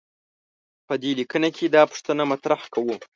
په دې لیکنه کې دا پوښتنه مطرح کوو.